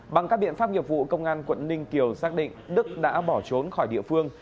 bằng các biện pháp nghiệp vụ công an quận ninh kiều xác định đức đã bỏ trốn khỏi địa phương